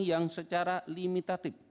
yang secara limitatif